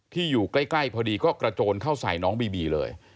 อยู่ใกล้พอดีก็กระโจนเข้าใส่น้องบีบีเลย